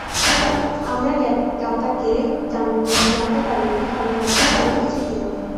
আমরা জ্ঞাতাকে জানতে পারি না, কারণ আমাদের স্বরূপই যে তিনি।